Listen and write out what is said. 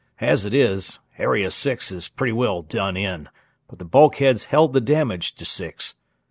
As it is, Area Six is pretty well done in, but the bulkheads held the damage to Six.